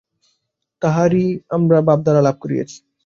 তাঁহারই চরণপ্রান্তে কয়েকজন যুবকের সহিত একত্র আমি এই ভাবধারা লাভ করিয়াছি।